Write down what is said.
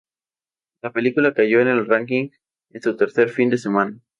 La película cayó en el ranking en su tercer fin de semana.